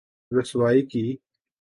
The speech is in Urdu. رسوائی کی‘‘۔